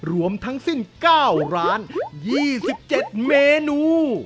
รวมทั้งสิ้น๙ร้าน๒๗เมนู